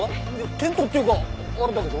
テントっていうかあれだけど？